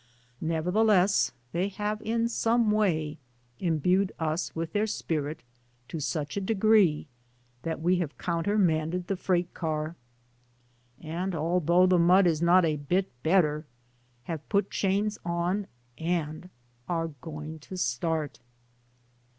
Nevertheless, they have in some way imbued us with their spirit to such a degree that we have countermanded the freight car, and although the mud is not a bit better^ have put chains on and are going to start.